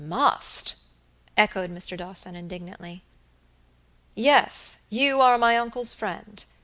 "Must!" echoed Mr. Dawson, indignantly. "Yes, you are my uncle's friend.